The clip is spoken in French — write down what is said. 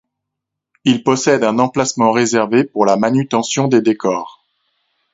Il possède un emplacement réservé pour la manutention des décors.